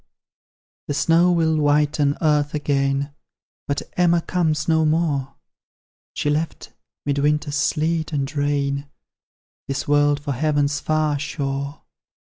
The snow will whiten earth again, But Emma comes no more; She left, 'mid winter's sleet and rain, This world for Heaven's far shore.